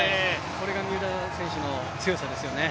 これが三浦選手の強さですよね。